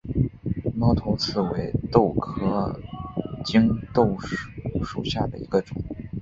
猫头刺为豆科棘豆属下的一个种。